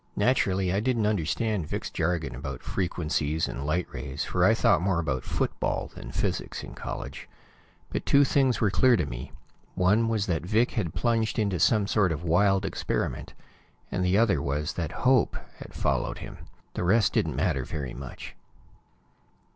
Naturally, I didn't understand Vic's jargon about frequencies and light rays, for I thought more about football than physics in college, but two things were clear to me. One was that Vic had plunged into some sort of wild experiment, and the other was that Hope had followed him. The rest didn't matter very much.